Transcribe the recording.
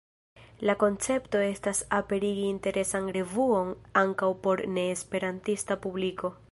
La koncepto estas aperigi interesan revuon ankaŭ por ne-esperantista publiko.